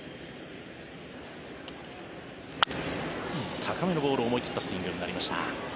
高めのボール思い切ったスイングになりました。